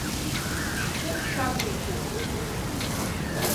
Шәхы шәақәиҭуп!